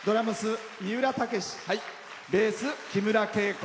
ベース、木村圭子。